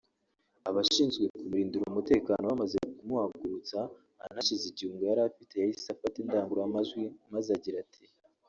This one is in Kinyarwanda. Abashinzwe kumurindira umutekano bamaze kumuhagurutsa anashize igihunga yari afite yahise afata indangururamajwi maze agira ati